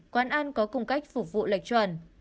quán ăn có cùng cách phục vụ lệch chuẩn